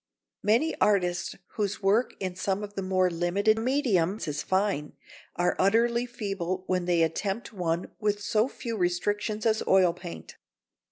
Many artists whose work in some of the more limited mediums is fine, are utterly feeble when they attempt one with so few restrictions as oil paint.